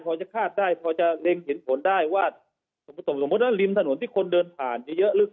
พอจะคาดได้พอจะเล็งเห็นผลได้ว่าสมมุติว่าริมถนนที่คนเดินผ่านเยอะลึก